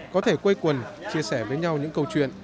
có thể quây quần chia sẻ với nhau những câu chuyện